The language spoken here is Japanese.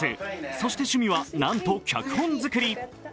そして趣味は、なんと脚本作り。